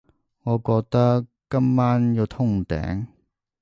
我覺得今晚要通頂